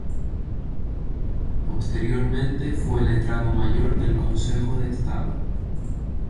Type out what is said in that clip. Posteriormente fue Letrado Mayor del Consejo de Estado.